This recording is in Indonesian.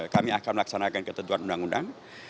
kami akan melaksanakan ketentuan undang undang